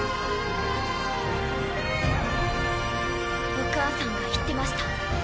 お母さんが言ってました。